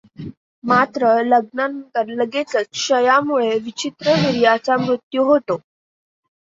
मात्र लग्नानंतर लगेचच क्षयामुळे विचित्रवीर्याचा मृत्यू होतो.